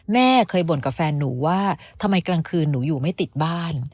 แม่เคยบ่นกับแฟนหนูว่าทำไมกลางคืนหนูอยู่ไม่ติดบ้าน